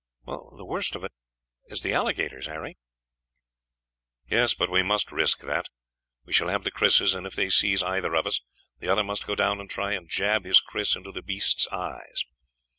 "The worst of it is the alligators, Harry." "Yes, but we must risk that. We shall have the krises, and if they seize either of us, the other must go down and try and jab his kris into the beast's eyes.